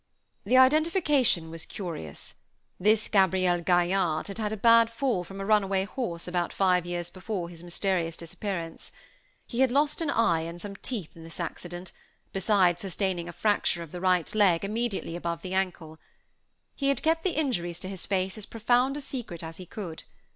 The identification was curious. This Gabriel Gaillarde had had a bad fall from a runaway horse about five years before his mysterious disappearance. He had lost an eye and some teeth in this accident, beside sustaining a fracture of the right leg, immediately above the ankle. He had kept the injuries to his face as profound a secret as he could.